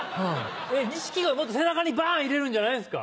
もっと背中にバン！入れるんじゃないんですか？